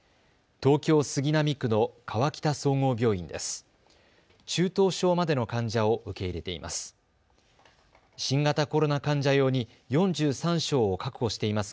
東京杉並区の河北総合病院です。